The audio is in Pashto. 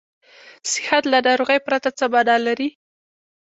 صحت له ناروغۍ پرته څه معنا لري.